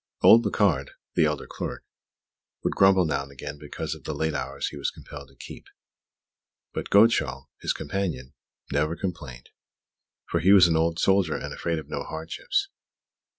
Old Boucard, the elder clerk, would grumble now and again because of the late hours he was compelled to keep; but Godeschal, his companion, never complained, for he was an old soldier and afraid of no hardships.